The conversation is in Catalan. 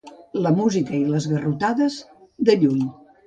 La música i les garrotades, de lluny.